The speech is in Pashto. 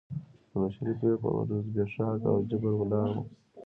د بشري قوې پر زبېښاک او جبر ولاړ و.